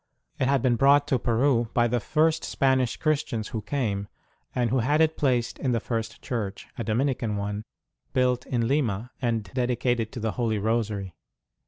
It had been brought to Peru by the first Spanish Christians who came, and who had it placed in the first church a Dominican one built in Lima, and dedicated to the Holy Rosary.